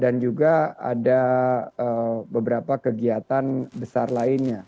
dan juga ada beberapa kegiatan besar lainnya